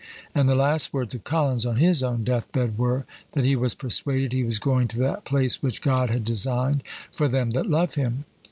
And the last words of Collins on his own death bed were, that "he was persuaded he was going to that place which God had designed for them that love him."